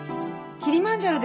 キリマンジャロで。